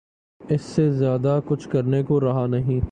اس سے زیادہ کچھ کرنے کو رہا نہیں۔